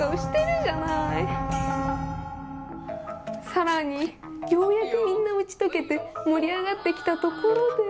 更にようやくみんな打ち解けて盛り上がってきたところで。